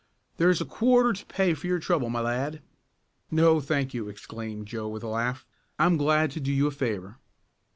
Here's a quarter to pay for your trouble, my lad." "No, thank you!" exclaimed Joe with a laugh. "I'm glad to do you a favor."